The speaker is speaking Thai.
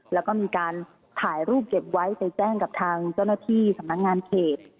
แล้วก็มีการถ่ายรูปเก็บไว้ไปแจ้งกับทางเจ้าหน้าที่สำนักงานเขต